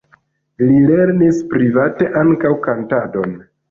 Li lernis private ankaŭ kantadon.